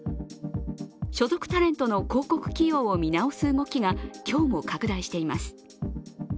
所属タレントの広告起用を見直す動きが今日も拡大しています。